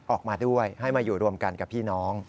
ออกมาด้วยให้มาอยู่รวมกันกับพี่น้อง